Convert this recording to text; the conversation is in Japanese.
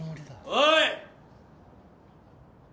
・おい。